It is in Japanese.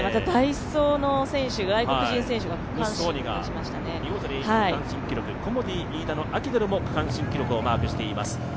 ムッソーニが見事に区間新記録、コモディイイダのアキドルも区間新記録をマークしています。